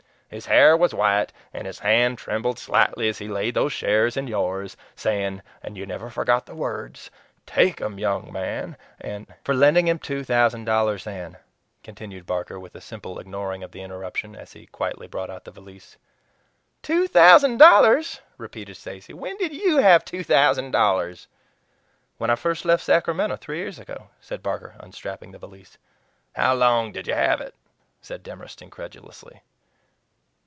His hair was white, and his hand trembled slightly as he laid these shares in yours, saying, and you never forgot the words, 'Take 'em, young man and' " "For lending him two thousand dollars, then," continued Barker with a simple ignoring of the interruption, as he quietly brought out the valise. "TWO THOUSAND DOLLARS!" repeated Stacy. "When did YOU have two thousand dollars?" "When I first left Sacramento three years ago," said Barker, unstrapping the valise. "How long did you have it?" said Demorest incredulously.